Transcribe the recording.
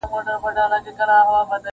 تاوېږه پر حرم ته زه جارېږم له جانانه,